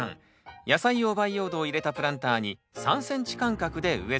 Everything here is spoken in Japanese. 野菜用培養土を入れたプランターに３ｃｍ間隔で植え付けるだけ。